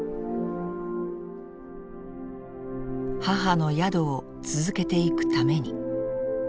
母の宿を続けていくために。